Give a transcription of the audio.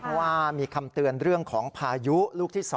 เพราะว่ามีคำเตือนเรื่องของพายุลูกที่๒